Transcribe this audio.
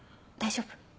大丈夫？